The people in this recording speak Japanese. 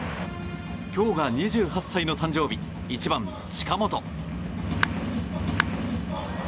今日が２８歳の誕生日１番、近本。